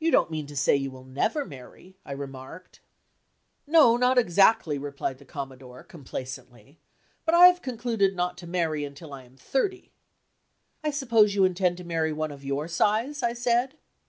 "You don't mean to say you will never marry," I remarked. "No, not exactly," replied the Commodore, complacently, "but I have concluded not to marry until I am thirty." "I suppose you intend to marry one of your size?" I said.